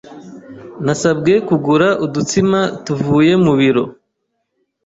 Nasabwe kugura udutsima tuvuye mu biro.